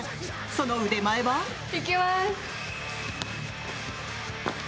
その腕前は？いきます！